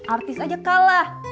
artis aja kalah